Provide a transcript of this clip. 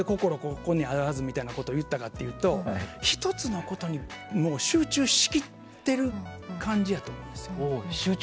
ここにあらずみたいに言ったかというと１つのことに集中しきってる感じやと思うんですよ。